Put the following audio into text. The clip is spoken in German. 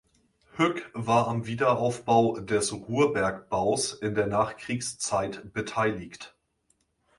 Hueck war am Wiederaufbau des Ruhrbergbaus in der Nachkriegszeit beteiligt.